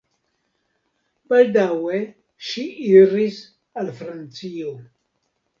Baldaŭe ŝi iris al Francio.